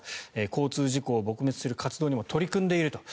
交通事故を撲滅する活動にも取り組んでいると。